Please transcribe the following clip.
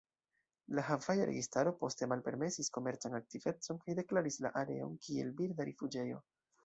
La havaja registaro poste malpermesis komercan aktivecon kaj deklaris la areon kiel birda rifuĝejo.